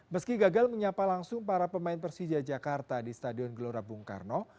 meski gagal menyapa langsung para pemain persija jakarta di stadion gelora bung karno